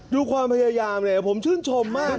ดูความพยายามเนี่ยผมชื่นชมมาก